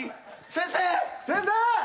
先生！